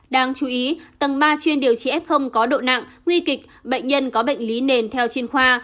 đáng chú ý tầng ba chuyên điều trị f có độ nặng nguy kịch bệnh nhân có bệnh lý nền theo chuyên khoa